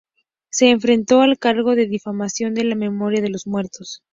Se enfrentó al cargo de "difamación de la memoria de los muertos".